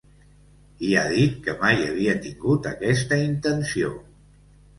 I ha dit que mai havia tingut aquesta intenció